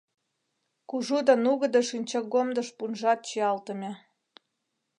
Кужу да нугыдо шинчагомдыш пунжат чиялтыме.